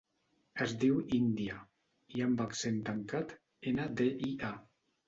Es diu Índia: i amb accent tancat, ena, de, i, a.